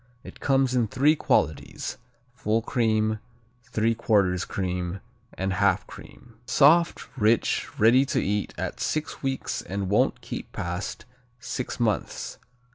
It comes in three qualities: full cream, 3/4 cream, and half cream. Soft; rich; ready to eat at six weeks and won't keep past six months.